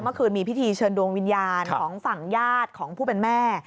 เมื่อคืนมีพิธีเชิญดวงวิญญาณของฝั่งญาติของผู้เป็นแม่